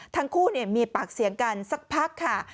ทั้งคู่มีปากเสียงกันสักพักค่ะ